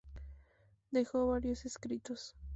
Dejó varios escritos.